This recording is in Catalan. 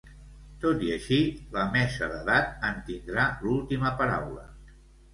Tot i així, la Mesa d'Edat en tindrà l'última paraula.